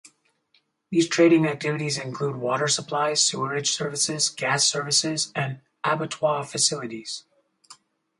These trading activities include water supply, sewerage services, gas services and abattoir facilities.